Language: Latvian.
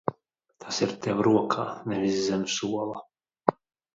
Tas ir tev rokā, nevis zem sola!